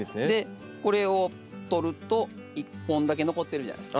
これを取ると１本だけ残ってるじゃないですか。